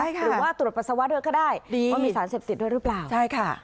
หรือว่าตรวจปัสสาวะด้วยก็ได้ว่ามีสารเสพติดด้วยหรือเปล่าใช่ค่ะ